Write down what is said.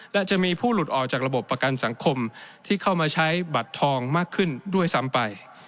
และจะมีผู้หลุดออกจากระบบประกันสังคมที่เข้ามาใช้บัตรทองมากขึ้นด้วยซ้ำไป